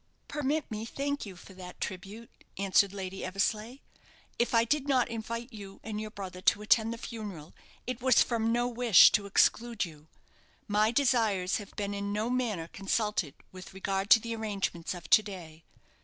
"Permit me thank you for that tribute," answered Lady Eversleigh. "If I did not invite you and your brother to attend the funeral, it was from no wish to exclude you. My desires have been in no manner consulted with regard to the arrangements of to day.